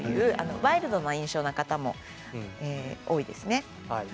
ワイルドな印象の方も多いですね。